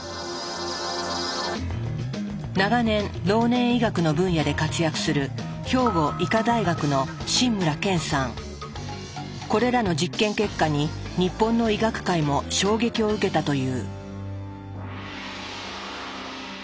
長年老年医学の分野で活躍するこれらの実験結果に日本の医学会も衝撃を受けたという。